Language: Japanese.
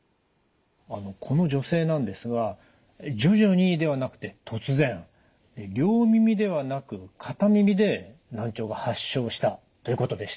あのこの女性なんですが徐々にではなくて突然両耳ではなく片耳で難聴が発症したということでした。